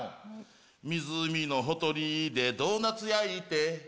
湖のほとりでドーナツ焼いて